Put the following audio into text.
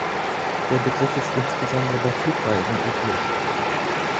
Der Begriff ist insbesondere bei Flugreisen üblich.